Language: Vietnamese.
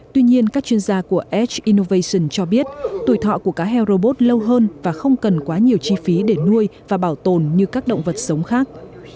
tuy nhiên các chuyên gia của edge innovation cho biết tuổi thọ của cá heo robot lâu hơn và không cần quá nhiều chi phí để nuôi và bảo tồn như các động vật sống khác